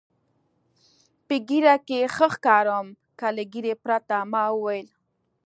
په ږیره کې ښه ښکارم که له ږیرې پرته؟ ما وویل.